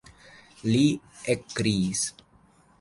li ekkriis.